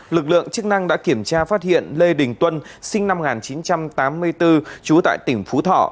lực lượng chức năng đã kiểm tra phát hiện lê đình tuân sinh năm một nghìn chín trăm tám mươi bốn trú tại tỉnh phú thọ